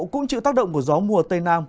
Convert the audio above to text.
cũng chịu tác động của gió mùa tây nam